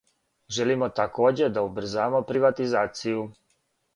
Желимо такође да убрзамо приватизацију.